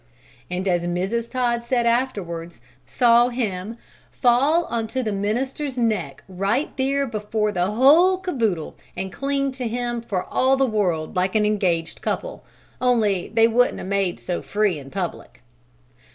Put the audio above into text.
and, as Mrs. Todd said afterwards, saw him "fall on to the minister's neck right there before the whole caboodle, an' cling to him for all the world like an engaged couple, only they wouldn't 'a' made so free in public."